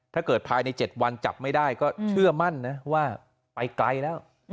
ถ้าเกิดภายใน๗วันจับไม่ได้ก็เชื่อมั่นนะว่าไปไกลแล้ว